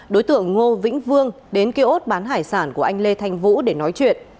đối tượng ngô vĩnh vương đến kia ốt bán hải sản của anh lê thanh vũ để nói chuyện